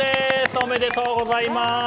おめでとうございます！